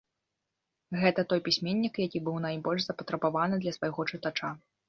Гэта той пісьменнік, які быў найбольш запатрабаваны для свайго чытача.